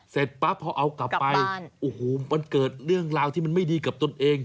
เสร็จปั๊บพอเอากลับไปโอ้โหมันเกิดเรื่องราวที่มันไม่ดีกับตนเอง